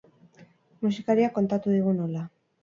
Musikariak kontatu digu nola.